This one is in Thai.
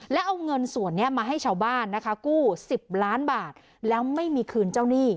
แล้วเอาเงินส่วนนี้มาให้ชาวบ้านนะคะกู้๑๐ล้านบาทแล้วไม่มีคืนเจ้าหนี้